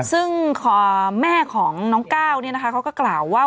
ซึ่งแม่ของน้องก้าวเขาก็กล่าวว่า